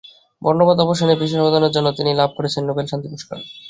বর্ণবাদ অবসানে বিশেষ অবদানের জন্য তিনি লাভ করেছেন নোবেল শান্তি পুরস্কার।